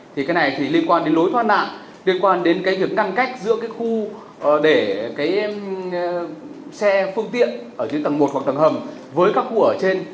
thì cái này thì liên quan đến lối thoát nạn liên quan đến cái việc ngăn cách giữa cái khu để cái xe phương tiện ở những tầng một hoặc tầng hầm với các khu ở trên